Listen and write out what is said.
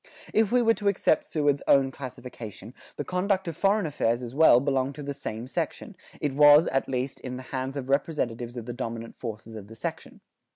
If we were to accept Seward's own classification, the conduct of foreign affairs as well belonged to the same section; it was, at least, in the hands of representatives of the dominant forces of the section.